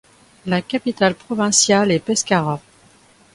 La capitale provinciale est Pescara.